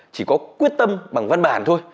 chỉ có quyết tâm bằng văn bản thôi